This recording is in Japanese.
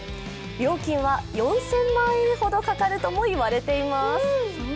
料金は４０００万円ほどかかるともいわれています。